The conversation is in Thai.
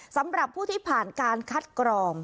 สำหรับผู้ที่ผ่านการคัดกรอง